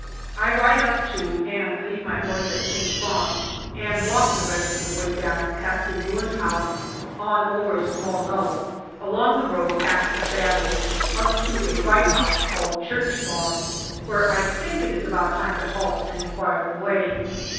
I ride up to, and leave my horse at, Pink Farm, and walk the rest of the way down past a ruined house, on over a small nullah, along the road past a battery up to a white house called Church Farm, where I think it is about time to halt and inquire the way.